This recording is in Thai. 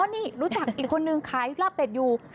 นี่รู้จักอีกคนนึงขายลาบเป็ดอยู่